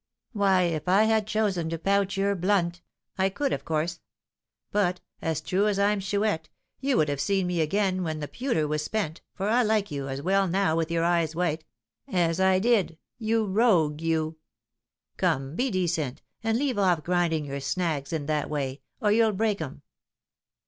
Why, if I had chosen to 'pouch your blunt,' I could, of course; but, as true as I'm Chouette, you would have seen me again when the 'pewter' was spent, for I like you as well now with your eyes white, as I did you rogue, you! Come, be decent, and leave off grinding your 'snags' in that way, or you'll break 'em."